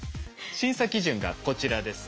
審査基準がこちらです。